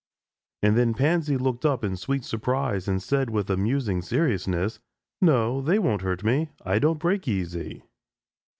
And then Pansy looked up in sweet surprise and said with amusing seriousness: "No; they won't hurt me. I don't break easy."